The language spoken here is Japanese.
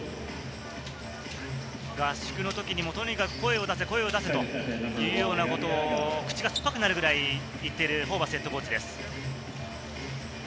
合宿のときにも、とにかく声を出せ、声を出せというようなことを口が酸っぱくなるくらい言っているホーバスＨＣです。